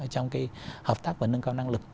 trong hợp tác và nâng cao năng lực